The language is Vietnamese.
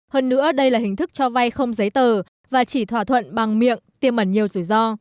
hơn nữa đây là hình thức cho vay không giấy tờ và chỉ thỏa thuận bằng miệng tiêm ẩn nhiều rủi ro